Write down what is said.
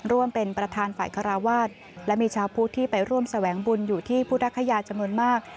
ร่วมเป็นประธานฝ่ายคาราวาสและมีชาวพุทธที่ไปร่วมแสวงบุญอยู่ที่พุทธคยาจำนวนมาก